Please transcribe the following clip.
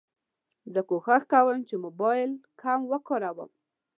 زه کوښښ کوم چې موبایل کم وکاروم.